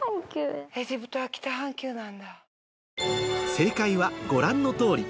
正解はご覧の通り